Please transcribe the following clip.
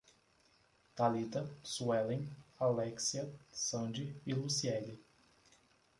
Thalita, Suellen, Alexia, Sandy e Luciele